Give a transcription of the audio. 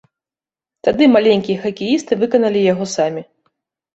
Тады маленькія хакеісты выканалі яго самі.